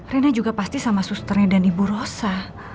rena juga pasti sama susternya dan ibu rosa